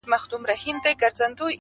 • د نریو اوبو مخ په بېل بندیږي -